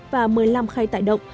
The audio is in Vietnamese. và một mươi năm khay tải động